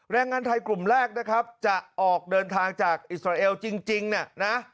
แรงงานไทยกลุ่มแรกนะครับจะออกเดินทางจากอิสราเอลจริงเนี่ยนะ